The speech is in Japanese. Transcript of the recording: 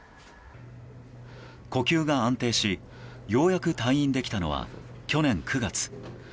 呼吸が安定し、ようやく退院できたのは去年９月。